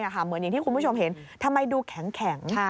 เหมือนอย่างที่คุณผู้ชมเห็นทำไมดูแข็ง